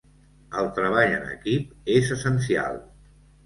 El treball en equip és essencial.